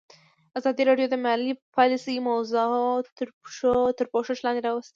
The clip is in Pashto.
ازادي راډیو د مالي پالیسي موضوع تر پوښښ لاندې راوستې.